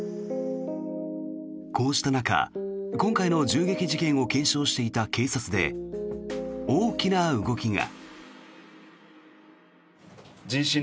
こうした中、今回の銃撃事件を検証していた警察で大きな動きが。